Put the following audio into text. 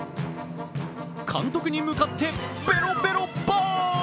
監督に向かってベロベロバー。